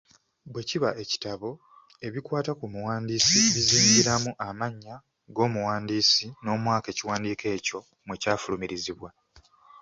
Bwe kiba ekitabo, ebikwata ku muwandiisi bizingiramu; amannya g’omuwandiisi n'omwaka ekiwandiiko ekyo mwe kyafulumirizibwa.